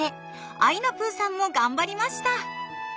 あいなぷぅさんも頑張りました！